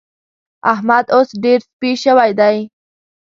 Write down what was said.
احمد اوس ډېر سپي شوی دی.